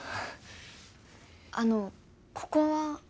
あのここは？